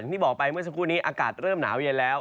ที่บอกไปเมื่อสักครู่นี้อากาศเริ่มหนาวเย็นแล้ว